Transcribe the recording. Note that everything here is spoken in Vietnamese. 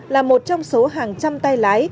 là một trong số hàng trăm tai lái